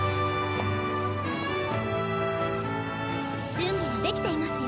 準備は出来ていますよ。